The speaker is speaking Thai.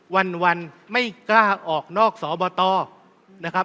วันไม่กล้าออกนอกสบตนะครับ